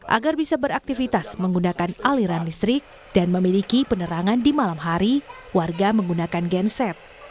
agar bisa beraktivitas menggunakan aliran listrik dan memiliki penerangan di malam hari warga menggunakan genset